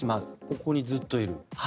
ここにずっといる。